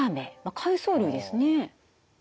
海藻類ですね。